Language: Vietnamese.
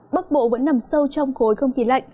bắc bộ vẫn nằm sâu trong khối không khí lạnh